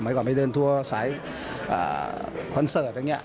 ก่อนไปเดินทัวร์สายคอนเสิร์ตอย่างนี้